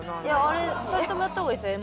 あれ２人ともやった方がいいですよ